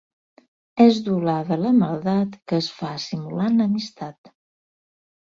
És doblada la maldat que es fa simulant amistat.